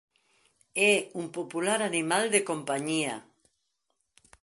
É un popular animal de compañía.